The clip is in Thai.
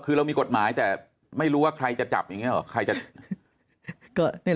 คือเรามีกฎหมายแต่ไม่รู้ว่าใครจะจับอย่างนี้หรอใครจะ